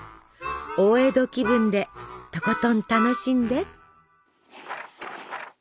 大江戸気分でとことん楽しんで！